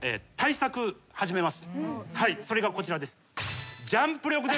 それがこちらです。